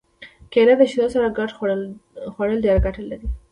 کېله د شیدو سره ګډه خوړل ډېره ګټه لري.